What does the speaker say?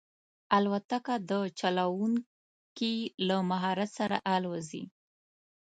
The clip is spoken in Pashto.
الوتکه د چلونکي له مهارت سره الوزي.